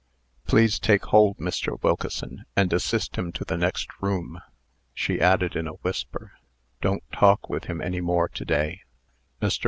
Please take hold, Mr. Wilkeson, and assist him to the next room." She added, in a whisper, "Don't talk with him any more to day." Mr.